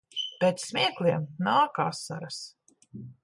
Pēc smiekliem nāk asaras.